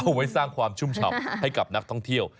ไว้สร้างความชุ่มฉ่ำให้กับนักท่องเที่ยว